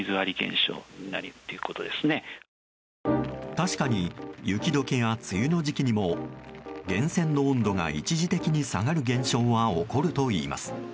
確かに雪解けや梅雨の時期にも源泉の温度が一時的に下がる現象は起こるといいます。